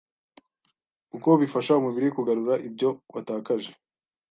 kuko bifasha umubiri kugarura ibyo watakaje